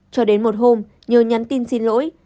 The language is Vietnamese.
cho đến một hôm nhớ nhắn tin xin lỗi